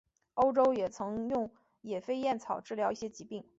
欧洲也曾用野飞燕草治疗一些疾病。